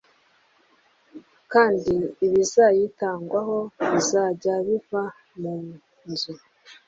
kandi ibizayitangwaho bizajye biva mu nzu